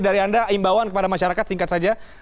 dari anda imbauan kepada masyarakat singkat saja